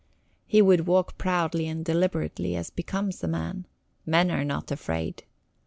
He would walk proudly and deliberately as becomes a man. Men are not afraid.